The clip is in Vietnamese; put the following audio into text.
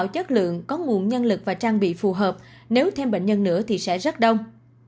chất lượng có nguồn nhân lực và trang bị phù hợp nếu thêm bệnh nhân nữa thì sẽ rất đông